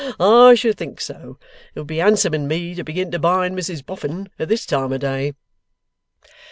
I should think so! It would be handsome in me to begin to bind Mrs Boffin at this time of day!